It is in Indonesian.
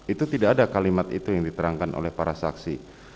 itu tidak ada kalimat itu yang diterangkan oleh para saksi